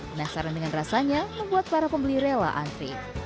penasaran dengan rasanya membuat para pembeli rela antri